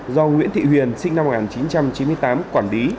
do nguyễn thị huyền sinh năm một nghìn chín trăm chín mươi tám quản lý